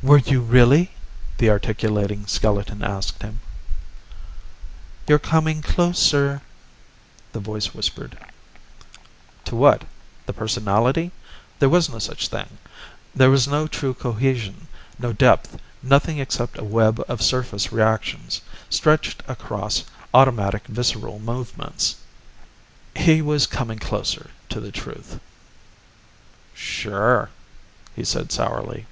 "Were you really?" the articulating skeleton asked him. "You're coming closer," the voice whispered. To what? The personality? There was no such thing. There was no true cohesion, no depth, nothing except a web of surface reactions, stretched across automatic visceral movements. He was coming closer to the truth. "Sure," he said sourly.